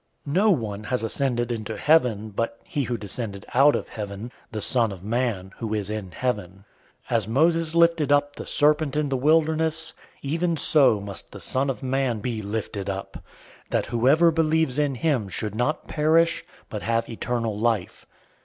003:013 No one has ascended into heaven, but he who descended out of heaven, the Son of Man, who is in heaven. 003:014 As Moses lifted up the serpent in the wilderness, even so must the Son of Man be lifted up, 003:015 that whoever believes in him should not perish, but have eternal life.